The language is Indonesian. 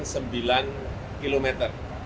dan ditempuh dalam waktu dua belas menit